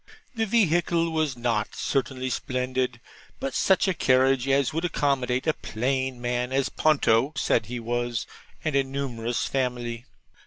The vehicle was not certainly splendid, but such a carriage as would accommodate a plain man (as Ponto said he was) and a numerous family.